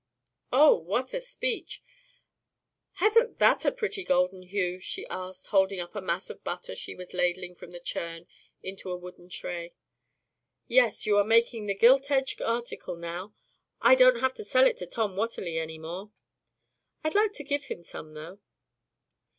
"Oh h, what a speech! Hasn't that a pretty golden hue?" she asked, holding up a mass of the butter she was ladling from the churn into a wooden tray. "Yes, you are making the gilt edge article now. I don't have to sell it to Tom Watterly any more." "I'd like to give him some, though."